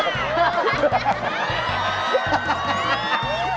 กล้อดนะคะ